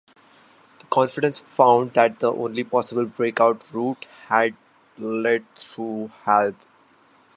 The conference found that the only possible break-out route had to lead through Halbe.